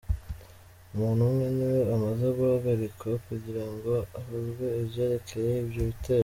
Umuntu umwe ni we amaze guhagarikwa kugira ngo abazwe ivyerekeye ivyo bitero.